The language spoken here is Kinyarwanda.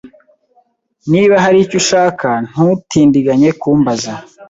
Niba hari icyo ushaka, ntutindiganye kumbaza.